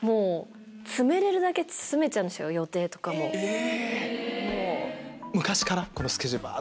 え！